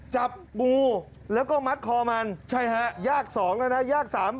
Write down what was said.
จับงูแล้วก็มัดคอมันใช่ฮะยาก๒แล้วนะยาก๓